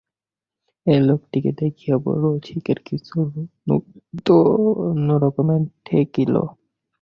এই লোকটিকে দেখিয়া রসিকের কিছু নূতন রকমের ঠেকিল।